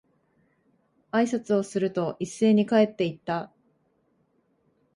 挨拶をすると、一斉に帰って行った。